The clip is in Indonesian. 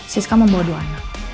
siska membawa dua anak